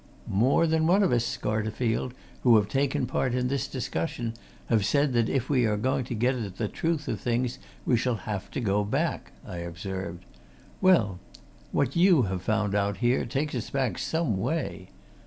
"More than one of us, Scarterfield, who have taken part in this discussion, have said that if we are going to get at the truth of things we shall have to go back," I observed. "Well, what you have found out here takes us back some way.